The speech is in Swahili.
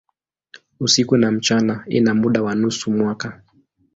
Usiku na mchana ina muda wa nusu mwaka.